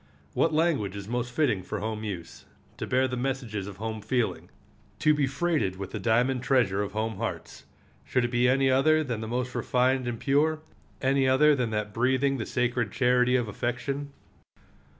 What language is most fitting for home use, to bear the messages of home feeling, to be freighted with the diamond treasure of home hearts? Should it be any other than the most refined and pure? any other than that breathing the sacred charity of affection?